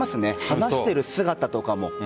話している姿とかも。